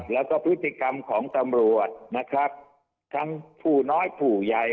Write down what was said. แล้วก็พฤติกรรมของตำรวจนะครับทั้งผู้น้อยผู้ใหญ่